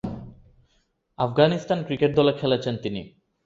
Afghanistan cricket দলে খেলছেন তিনি।